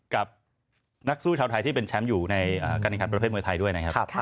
กับนักสู้ชาวไทยที่เป็นแชมป์อยู่ในการแข่งขันประเภทมวยไทยด้วยนะครับ